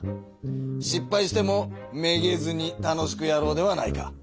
しっぱいしてもめげずに楽しくやろうではないか。